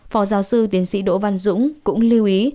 phó giáo sư tiến sĩ đỗ văn dũng cũng lưu ý